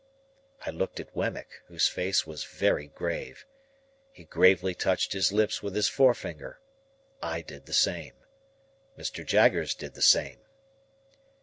I looked at Wemmick, whose face was very grave. He gravely touched his lips with his forefinger. I did the same. Mr. Jaggers did the same.